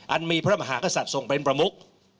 มีพระมหากษัตริย์ทรงเป็นประมุก